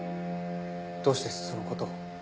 どうしてその事を。